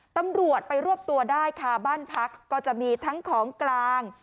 ตำรวจไปรวบตัวได้ค่ะบ้านพักก็จะมีทั้งของกลาง